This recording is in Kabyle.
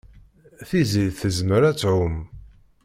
Tiziri tezmer ad tɛum.